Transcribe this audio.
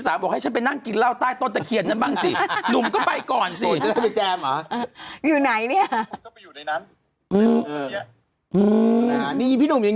สามารถให้ฉันไปนั่งกินเหล้าใต้ต้นแต่เขียนมันบ้างสิหนูก็ไปก่อนสิอยู่ไหนเนี่ย